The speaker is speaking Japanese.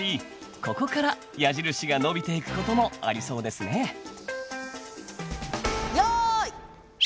ここから矢印が伸びていくこともありそうですねよい。